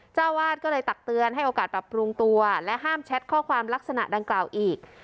เจ้าวาดก็เลยตักเตือนให้โอกาสปรับปรุงตัวและห้ามแชทข้อความลักษณะดังกล่าวอีก